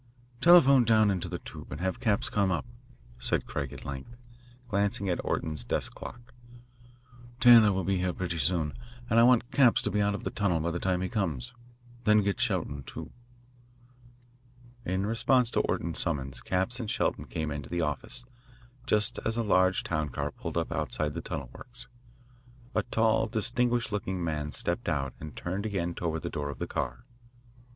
"Telephone down into the tube and have Capps come up," said Craig at length, glancing at Orton's desk clock. "Taylor will be here pretty soon, and I want Capps to be out of the tunnel by the time he comes. Then get Shelton, too." In response to Orton's summons Capps and Shelton came into the office, just as a large town car pulled up outside the tunnel works. A tall, distinguished looking man stepped out and turned again toward the door of the car.